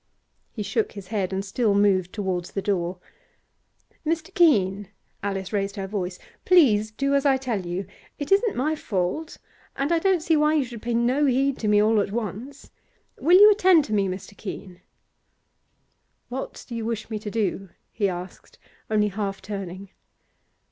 He shook his head and still moved towards the door. 'Mr. Keene!' Alice raised her voice. 'Please do as I tell you. It isn't my fault, and I don't see why you should pay no heed to me all at once. Will you attend to me, Mr. Keene?' 'What do you wish me to do?' he asked, only half turning.